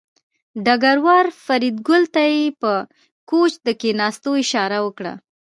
ډګروال فریدګل ته په کوچ د کېناستو اشاره وکړه